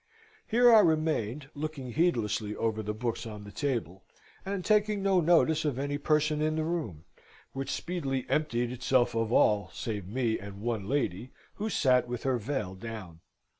Here I remained, looking heedlessly over the books on the table and taking no notice of any person in the room, which speedily emptied itself of all, save me and one lady who sate with her veil down.